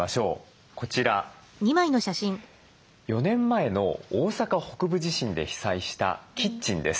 こちら４年前の大阪北部地震で被災したキッチンです。